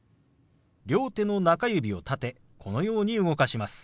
両手の中指を立てこのように動かします。